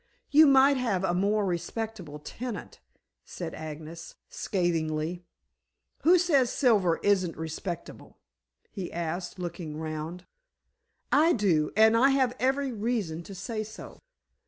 "You might have a more respectable tenant," said Agnes scathingly. "Who says Silver isn't respectable?" he asked, looking round. "I do, and I have every reason to say so."